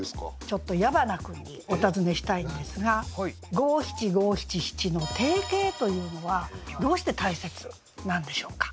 ちょっと矢花君にお尋ねしたいんですが五七五七七の定型というのはどうして大切なんでしょうか？